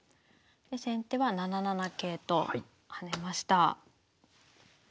で先手は７七桂と跳ねました。